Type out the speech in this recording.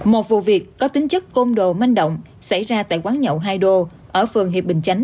một vụ việc có tính chất côn đồ manh động xảy ra tại quán nhậu hai đô ở phường hiệp bình chánh